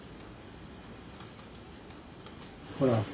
ほら。